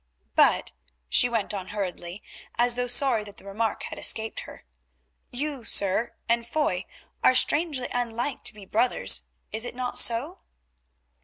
"But," she went on hurriedly, as though sorry that the remark had escaped her, "you, sir, and Foy are strangely unlike to be brothers; is it not so?"